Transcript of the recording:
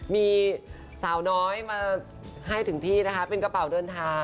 มีสาวน้อยมาให้ถึงที่นะคะเป็นกระเป๋าเดินทาง